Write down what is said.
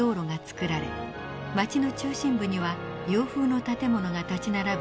街の中心部には洋風の建物が立ち並ぶ